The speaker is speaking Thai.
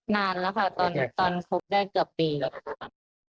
นานแล้วค่ะตอนคบได้เกือบปีแล้วค่ะ